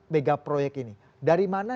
megaproyek ini dari mana